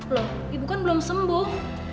loh ibu kan belum sembuh